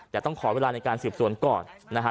แต่ต้องขอเวลาในการสืบสวนก่อนนะฮะ